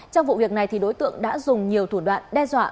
trong vụ việc này thì đối tượng đã dùng nhiều thủ đoạn đe dọa